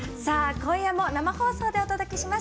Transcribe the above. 今夜も生放送でお届けします